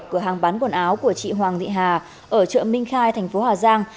cửa hàng bán quần áo của chị hoàng thị hà ở chợ minh khai thành phố hà giang